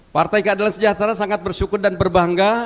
partai keadilan sejahtera sangat bersyukur dan berbangga